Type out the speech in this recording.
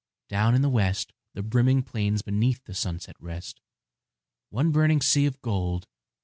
Down in the west The brimming plains beneath the sunset rest, One burning sea of gold.